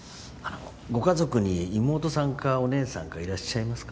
ご家族に妹さんかお姉さんかいらっしゃいますか？